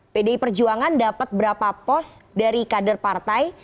pdi perjuangan dapat berapa pos dari kader partai